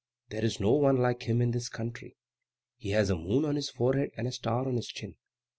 There is no one like him in this country. He has a moon on his forehead and a star on his chin."